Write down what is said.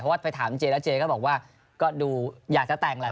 เพราะว่าไปถามเจแล้วเจก็บอกว่าก็ดูอยากจะแต่งแหละ